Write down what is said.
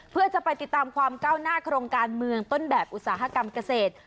เพื่อจะไปติดตามความก้าวหน้าโครงการเมืองต้นแบบอุตสาหกรรมเกษตร